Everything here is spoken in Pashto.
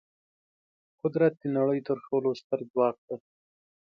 قدرت د نړۍ تر ټولو ستر ځواک دی.